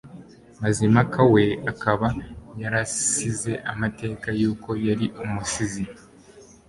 Mazimpaka we akaba yarasize amateka yuko yari umusizi